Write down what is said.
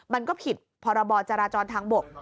มันก็ผิดพรจทางบก